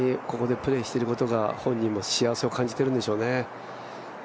ここでプレーしていることが、本人も幸せを感じているんでしょうね。